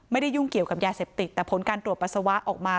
ยุ่งเกี่ยวกับยาเสพติดแต่ผลการตรวจปัสสาวะออกมา